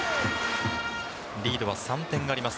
リードは３点あります。